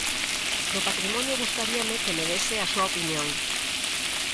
Do patrimonio gustaríame que me dese a súa opinión.